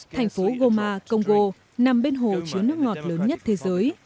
thành phố goma congo nằm bên hồ chứa nước ngọt lớn nhất thế giới